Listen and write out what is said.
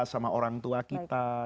sama orang tua kita